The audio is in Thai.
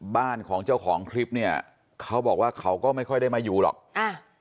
บ้านของเจ้าของคลิปเนี้ยเขาบอกว่าเขาก็ไม่ค่อยได้มาอยู่หรอกอ่า